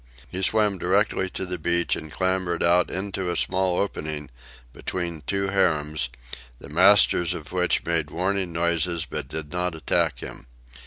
He swam directly to the beach and clambered out into a small opening between two harems, the masters of which made warning noises but did not attack him.